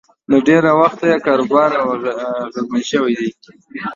له ډېره وخته یې کاروبار اغېزمن شوی دی